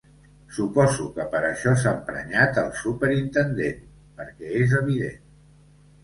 Suposo que per això s'ha emprenyat el superintendent, perquè és evident.